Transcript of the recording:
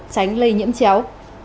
tránh lây nhiễm chéo